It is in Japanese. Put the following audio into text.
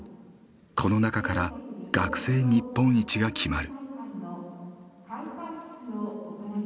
この中から学生日本一が決まる。